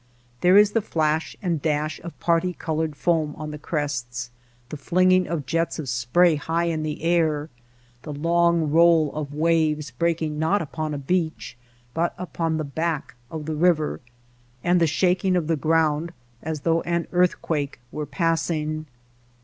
There is the flash and dash of parti colored foam on the crests, the flinging of jets of spray high in air, the long roll of waves breaking not upon a beach, but upon the back of the river, THE SILENT RIVER 75 and the shaking of the ground as though an earthquake were passing.